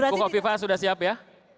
buko viva sudah siap ya